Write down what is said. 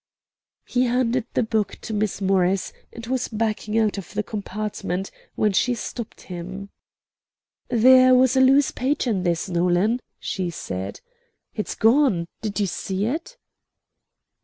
He handed the book to Miss Morris, and was backing out of the compartment, when she stopped him. "There was a loose page in this, Nolan," she said. "It's gone; did you see it?"